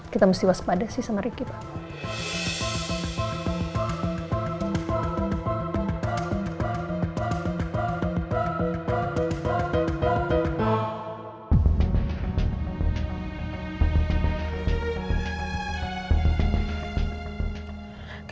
kita mesti waspada sih sama riki pak